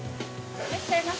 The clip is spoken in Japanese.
いらっしゃいませ！